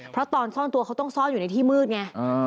เพราะตอนซ่อนตัวเขาต้องซ่อนอยู่ในที่มืดไง